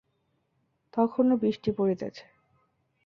তখনো বৃষ্টি পড়িতেছে।